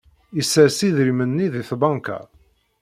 Yessers idrimen-nni deg tbanka.